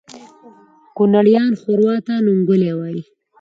کونړیان ښوروا ته ننګولی وایي